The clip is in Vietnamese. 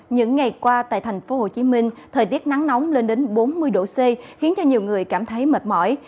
những ngày qua tại tp hcm thời tiết nắng nóng lên đến bốn mươi độ c khiến cho nhiều người cảm thấy mệt mỏi